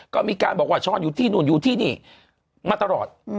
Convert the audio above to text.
ก็มีการบอกว่าช้อนอยู่ที่นู่นอยู่ที่นี่มาตลอด